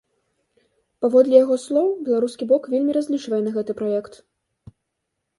Паводле яго слоў, беларускі бок вельмі разлічвае на гэты праект.